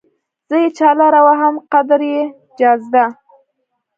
زه يې چالره وهم قدر يې چازده